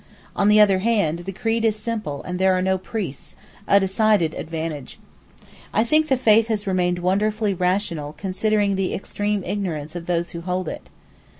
On the other hand, the creed is simple and there are no priests, a decided advantage. I think the faith has remained wonderfully rational considering the extreme ignorance of those who hold it.